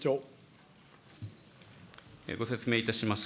ご説明いたします。